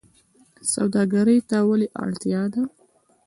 سوداګرۍ ته ولې اړتیا ده؟